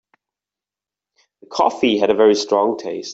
The coffee had a very strong taste.